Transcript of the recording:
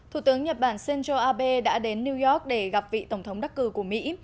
thủ tướng nhật bản shinzo abe đã đến new york để gặp vị tổng thống đắc cử của mỹ